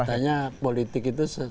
ya katanya politik itu sesuatu yang